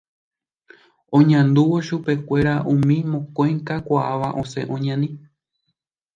Oñandúvo chupekuéra umi mokõi kakuaáva osẽ oñani.